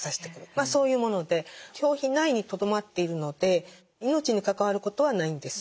まあそういうもので表皮内にとどまっているので命に関わることはないんです。